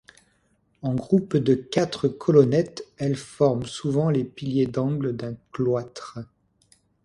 En groupe de quatre colonnettes, elles forment souvent les piliers d’angles d’un cloître.